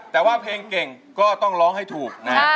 แต่ว่าเพลงเก่งก็ต้องร้องให้ถูกนะ